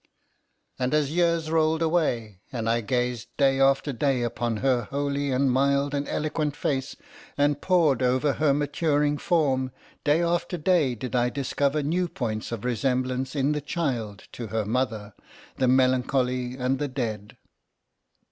And as years rolled away, and I gazed day after day upon her holy, and mild, and eloquent face, and poured over her maturing form, day after day did I discover new points of resemblance in the child to her mother, the melancholy and the dead.